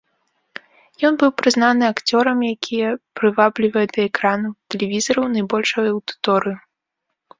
Ён быў прызнаны акцёрам, якія прываблівае да экранаў тэлевізараў найбольшую аўдыторыю.